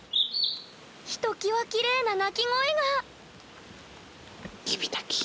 ひときわきれいな鳴き声が！